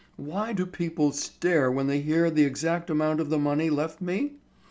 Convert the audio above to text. Why do people stare when they hear the exact amount of the money left me?